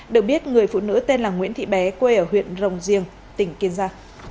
được biết người phụ nữ tên là nguyễn thị bé quê ở huyện rồng riêng tỉnh kiên giang